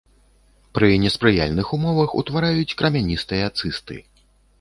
Пры неспрыяльных умовах утвараюць крамяністыя цысты.